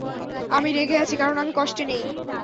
আমি রেগে আছি, কারণ আমি কষ্টে নেই।